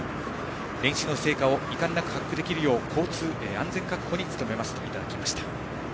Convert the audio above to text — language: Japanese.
練習の成果を遺憾なく発揮できるよう安全確保に努めますといただきました。